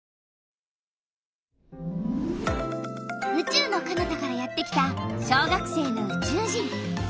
うちゅうのかなたからやってきた小学生のうちゅう人。